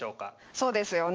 そうですよね。